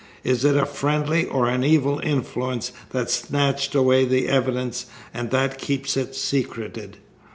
Is it a friendly or an evil influence that snatched away the evidence and that keeps it secreted?"